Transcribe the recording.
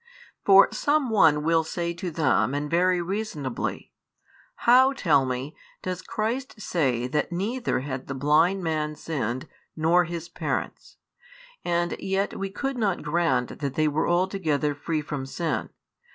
For some one will say to them and very reasonably: How, tell me, does Christ say that neither had the blind man sinned nor his parents? And yet we could not grant that they were altogether free from sin.